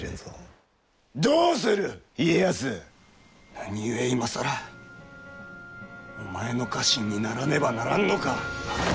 何故今更お前の家臣にならねばならんのか！